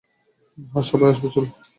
হ্যাঁ, সবাই আসবে, চলো।